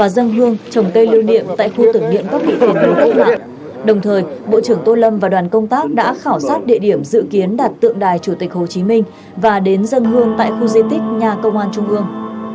đồng thời bộ trưởng tô lâm và đoàn công tác đã khảo sát địa điểm dự kiến đặt tượng đài chủ tịch hồ chí minh và đến dân hương tại khu di tích nhà công an trung ương